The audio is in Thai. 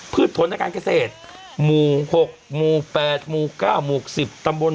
พืชผลณการเกษตรหมู่หกหมู่แปดหมู่เก้าหมู่สิบตำบน